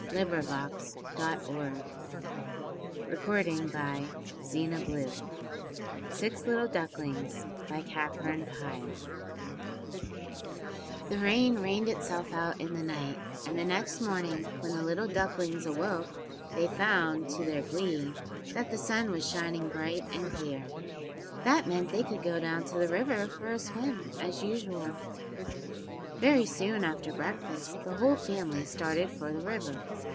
[Illustration: He determined to come up and live in the wood where it was dryer] IV THE rain rained itself out in the night, and the next morning, when the little ducklings awoke, they found, to their glee, that the sun was shining bright and clear. That meant they could go down to the river for a swim as usual. Very soon after breakfast the whole family started for the river.